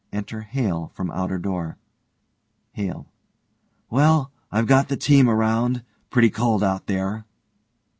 Enter HALE from outer door_.) HALE: Well, I've got the team around. Pretty cold out there.